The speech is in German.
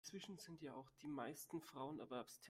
Inzwischen sind ja auch die meisten Frauen erwerbstätig.